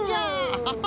アハハ。